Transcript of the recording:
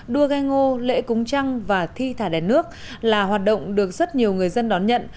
đua ghe ngô lễ cúng trăng và thi thả đèn nước là hoạt động được rất nhiều người dân đón nhận